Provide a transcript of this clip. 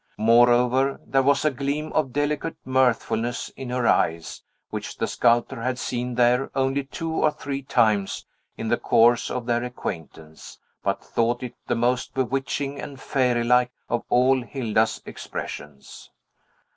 Moreover, there was a gleam of delicate mirthfulness in her eyes, which the sculptor had seen there only two or three times in the course of their acquaintance, but thought it the most bewitching and fairylike of all Hilda's expressions.